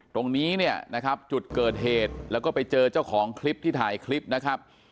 ตรงนี้เนี่ยนะครับจุดเกิดเหตุแล้วก็ไปเจอเจ้าของคลิปที่ถ่ายคลิปนะครับ